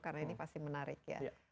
karena ini pasti menarik ya